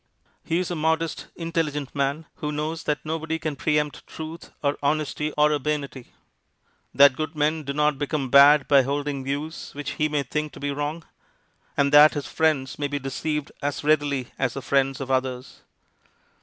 He is a modest, intelligent man, who knows that nobody can pre empt truth or honesty or urbanity; that good men do not become bad by holding views which he may think to be wrong; and that his friends may be deceived as readily as the friends of others.